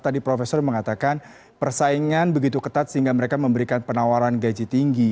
tadi profesor mengatakan persaingan begitu ketat sehingga mereka memberikan penawaran gaji tinggi